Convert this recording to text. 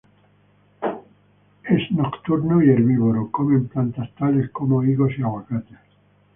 Es nocturno y herbívoro, comen plantas tales como higos y aguacates.